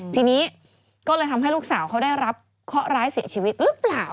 ทีนี้ก็เลยทำให้ลูกสาวเขาได้รับเคาะร้ายเสียชีวิตหรือเปล่า